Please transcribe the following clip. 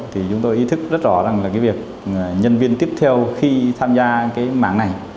thì chúng tôi ý thức rất rõ rằng là cái việc nhân viên tiếp theo khi tham gia cái mảng này